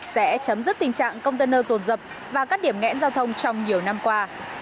sẽ chấm dứt tình trạng container rồn rập và các điểm nghẽn giao thông trong nhiều năm qua